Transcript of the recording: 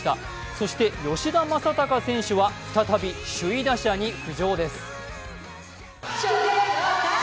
そして吉田正尚選手は再び首位打者に浮上です。